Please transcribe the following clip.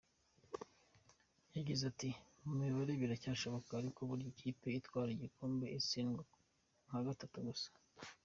Yagize ati “Mu mibare biracyashoboka ariko burya ikipe itwara igikombe itsindwa nka gatatu gusa.